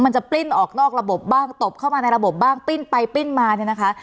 จะปลิ้นออกนอกระบบบ้างตบเข้ามาในระบบบ้างปิ้นไปปิ้นมาเนี่ยนะคะ